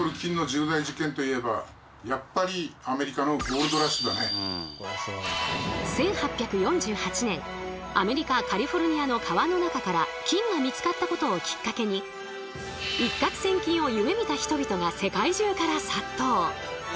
有名なのは１８４８年アメリカ・カリフォルニアの川の中から金が見つかったことをきっかけに一獲千金を夢みた人々が世界中から殺到。